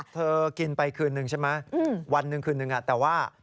เธอกินไปคืนนึงใช่ไหมวันหนึ่งคืนนึงแต่ว่า